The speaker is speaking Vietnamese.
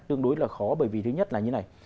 tương đối là khó bởi vì thứ nhất là như này